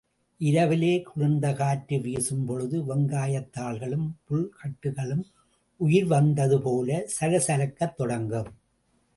இரவிலே குளிர்ந்த காற்று வீசும் பொழுது வெங்காயத் தாள்களும், புல் கட்டுகளும் உயிர் வந்தது போல சலசலக்கத் தொடங்கும்.